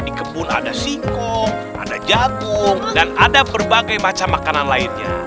di kebun ada singkong ada jagung dan ada berbagai macam makanan lainnya